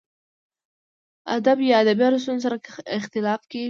ادب یا ادبي ارزښتونو سره که اختلاف کېږي.